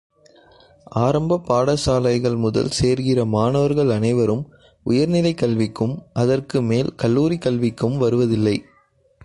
ஆரம்பப் பாடசாலைகள் முதல் சேர்கிற மாணவர்கள் அனைவரும் உயர்நிலைக் கல்விக்கும் அதற்கு மேல் கல்லூரிக் கல்விக்கும் வருவதில்லை.